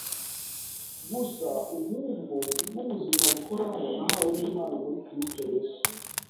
gusa uhubwo n’ubuzima buhoraho nahawe n’Imana muri kristu Yesu.